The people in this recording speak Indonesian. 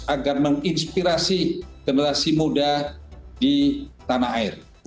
agar menginspirasi generasi muda di tanah air